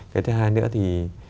cái thứ hai nữa thì